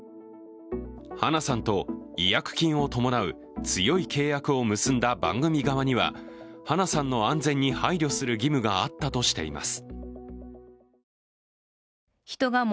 花さんと違約金を伴う強い契約を結んだ番組側には花さんの安全に配慮する義務があったとしています。